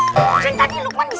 tadi lukman disini pak ustadz